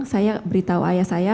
saya beritahu ayah saya